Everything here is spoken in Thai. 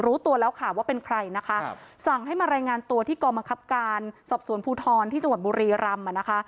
รู้ตัวแล้วค่ะว่าเป็นใครนะคะสั่งให้มารายงานตัวที่กองบังคับการสอบสวนภูทรที่จังหวัดบุรีรำอ่ะนะคะ